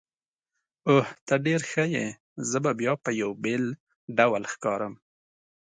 اوه، ته ډېر ښه یې، زه به بیا په یوه بېل ډول ښکارم.